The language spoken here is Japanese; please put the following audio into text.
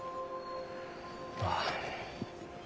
ああ。